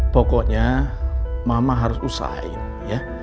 pokoknya mama harus usahain ya